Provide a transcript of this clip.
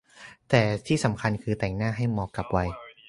แต่ที่สำคัญคือแต่งหน้าให้เหมาะกับวัย